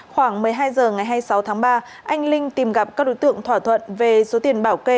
khoảng một mươi hai h ngày hai mươi sáu tháng ba anh linh tìm gặp các đối tượng thỏa thuận về số tiền bảo kê